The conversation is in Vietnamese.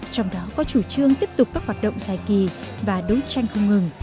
trong đó có chủ trương tiếp tục các hoạt động dài kỳ và đấu tranh không ngừng